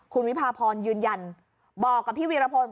คุณวิพาพรยืนยันบอกกับพี่วีรพล